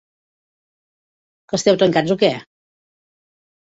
Que esteu tancats, o què?